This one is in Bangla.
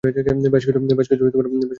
বেশ কিছু কারণ রয়েছে।